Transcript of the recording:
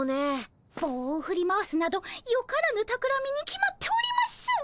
ぼうを振り回すなどよからぬたくらみに決まっております。